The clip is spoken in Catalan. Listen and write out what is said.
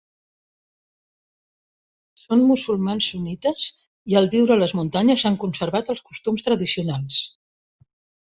Són musulmans sunnites i al viure a les muntanyes han conservat els costums tradicionals.